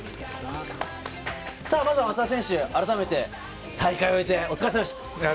まずは松田選手、改めて大会終えて、お疲れさまでした。